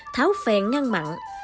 tháo phèn ngăn mặn